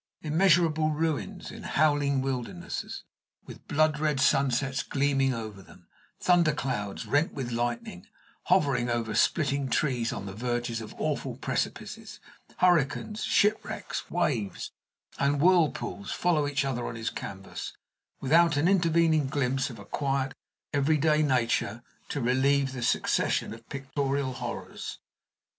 Immeasurable ruins, in howling wildernesses, with blood red sunsets gleaming over them; thunder clouds rent with lightning, hovering over splitting trees on the verges of awful precipices; hurricanes, shipwrecks, waves, and whirlpools follow each other on his canvas, without an intervening glimpse of quiet everyday nature to relieve the succession of pictorial horrors.